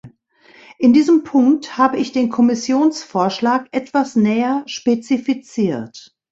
In diesem Punkt habe ich den Kommissionsvorschlag etwas näher spezifiziert.